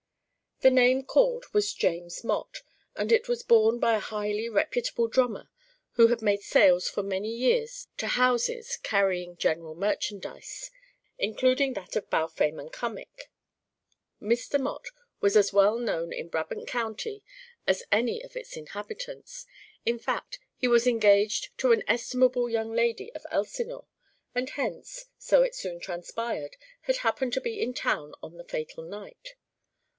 The name called was James Mott, and it was borne by a highly reputable drummer who had made sales for many years to houses carrying general merchandise, including that of Balfame & Cummack. Mr. Mott was as well known in Brabant County as any of its inhabitants; in fact, he was engaged to an estimable young lady of Elsinore, and hence, so it soon transpired, had happened to be in town on the fatal night.